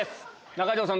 中条さん